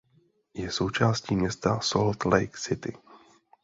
Je součástí města Salt Lake City.